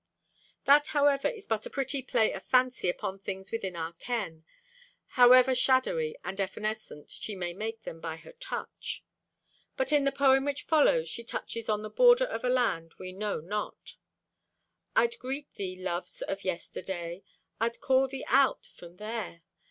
That, however, is but a pretty play of fancy upon things within our ken, however shadowy and evanescent she may make them by her touch. But in the poem which follows she touches on the border of a land we know not: I'd greet thee, loves of yester's day. I'd call thee out from There.